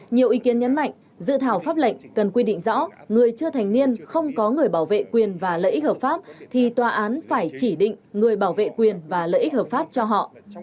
nhiều ý kiến nhấn mạnh dự thảo pháp lệnh cần quy định rõ người chưa thành niên không có người bảo vệ quyền và lợi ích hợp pháp thì tòa án phải chỉ định người bảo vệ quyền và lợi ích hợp pháp cho họ